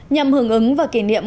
nhằm hưởng ứng và kỷ niệm